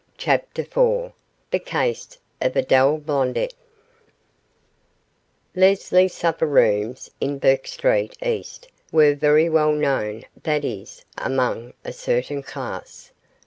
CHAPTER IV THE CASE OF ADELE BLONDET Leslie's Supper Rooms in Bourke Street East were very well known that is, among a certain class.